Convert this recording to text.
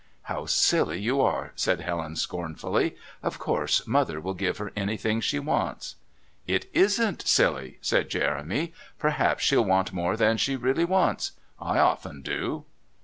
"How silly you are!" said Helen scornfully. "Of course, Mother will give her anything she wants." "It isn't silly," said Jeremy. "Perhaps she'll want more than she really wants. I often do."